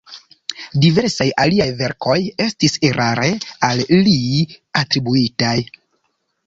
Diversaj aliaj verkoj estis erare al li atribuitaj.